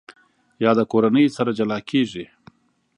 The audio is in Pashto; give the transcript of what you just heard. یاده کورنۍ سره جلا کېږي.